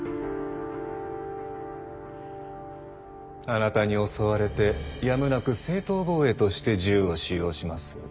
あなたに襲われてやむなく正当防衛として銃を使用します。